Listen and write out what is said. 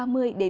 có nơi cao hơn